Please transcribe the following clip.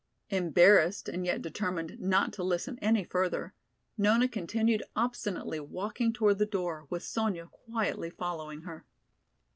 Embarrassed and yet determined not to listen any further, Nona continued obstinately walking toward the door, with Sonya quietly following her.